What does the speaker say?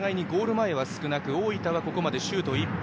前は少なく大分はここまでシュート１本。